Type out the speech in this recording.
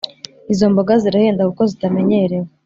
Izomboga zirahenda kuko zitamenyerewe